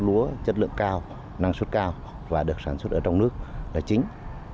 lúa chất lượng cao năng suất cao và được sản xuất ở trong nước là chính